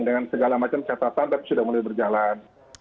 dengan segala macam catatan tapi sudah mulai berjalan